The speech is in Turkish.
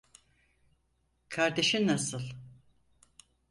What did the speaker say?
Kardeşin nasıl?